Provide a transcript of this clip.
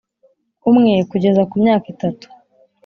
Umwe kugeza ku myaka itatu